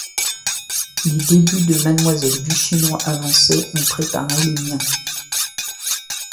Les débuts de Mlle Duchesnois avançaient, on préparait les miens.